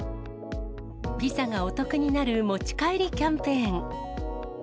ピザがお得になる持ち帰りキャンペーン。